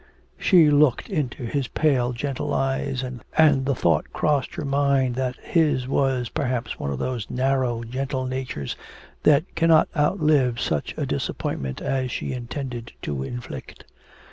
She looked into his pale gentle eyes and the thought crossed her mind that his was perhaps one of those narrow, gentle natures that cannot outlive such a disappointment as she intended to inflict.